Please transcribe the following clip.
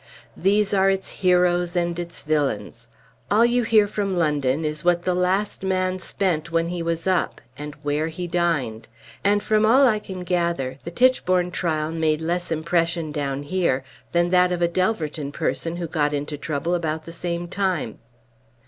These are its heroes and its villains. All you hear from London is what the last man spent when he was up, and where he dined; and from all I can gather, the Tichborne trial made less impression down here than that of a Delverton parson who got into trouble about the same time."